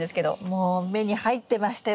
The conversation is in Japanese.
もう目に入ってましたよ。